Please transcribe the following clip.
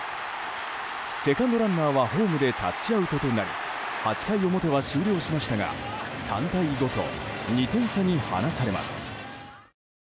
セカンドランナーはホームでタッチアウトとなり８回表は終了しましたが３対５と２点差に離されます。